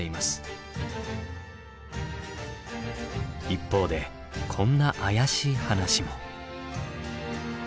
一方でこんな怪しい話も。